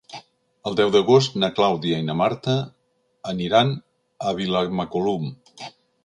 El deu d'agost na Clàudia i na Marta aniran a Vilamacolum.